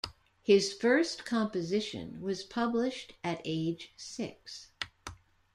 His first composition was published at age six.